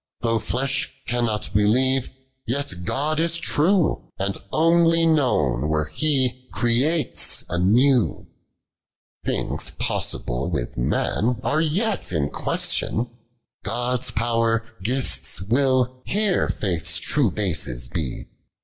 Though (lush cannot believe, yet God is true, And uiicly known, where He creates unow. 102. Thing* posaitik with man arc yet in question; God's paw'r, gifts, will, here faith's true Iioks tie: At!